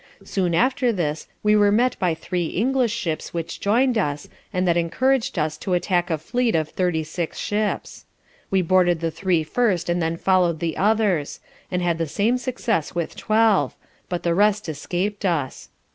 Soon after this we were met by three English ships which join'd us, and that encourag'd us to attack a fleet of 36 Ships. We boarded the three first and then follow'd the others; and had the same success with twelve; but the rest escap'd us.